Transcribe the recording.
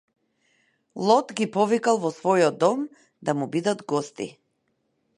Лот ги повикал во својот дом да му бидат гости.